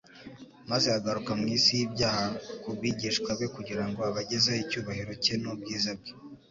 maze agaruka mu isi y'ibyaha ku bigishwa be kugira ngo abagezeho icyubahiro cye n'ubwiza bwe.